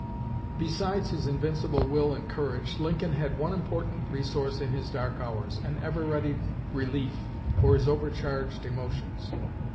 Besides his invincible will and courage, Lincoln had one important resource in his dark hours, an ever ready relief for his overcharged emotions.